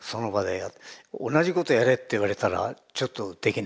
同じことをやれって言われたらちょっとできない。